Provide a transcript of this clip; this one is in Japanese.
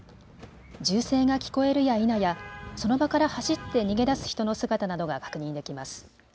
銃声が聞こえるやいなやその場から走って逃げ出す人の姿などが確認できます。